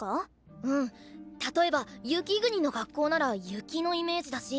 例えば雪国の学校なら雪のイメージだし